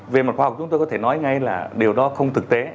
về mặt khoa học chúng tôi có thể nói ngay là điều đó không thực tế